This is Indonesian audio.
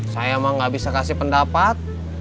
saya emang gak bisa kasih pendapat